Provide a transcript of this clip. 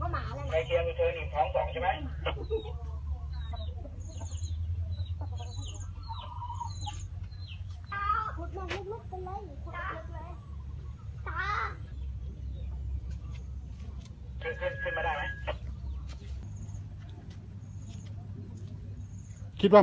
มันมา